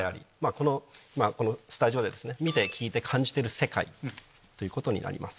このスタジオで見て聞いて感じてる世界ということになります。